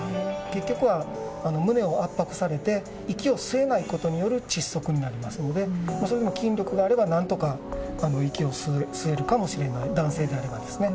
結局は胸を圧迫されて息を吸えないことによる窒息になりますので、それも筋力があればなんとか息を吸えるかもしれない、男性であればですね。